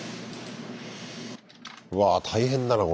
うわあ大変だな